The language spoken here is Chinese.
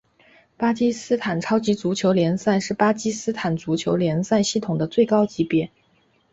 巴基斯坦超级足球联赛是巴基斯坦足球联赛系统的最高级别。